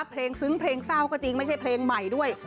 ซึ้งเพลงเศร้าก็จริงไม่ใช่เพลงใหม่ด้วย